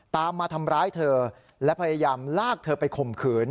มาทำร้ายเธอและพยายามลากเธอไปข่มขืน